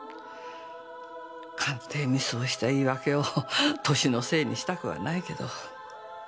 鑑定ミスをした言い訳を歳のせいにしたくはないけど。